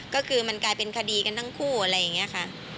ก็คือมันกลายเป็นคดีกันทั้งคู่อะไรอย่างนี้ค่ะ